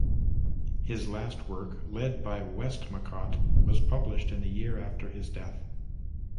His last work, "Led by Westmacott", was published in the year after his death.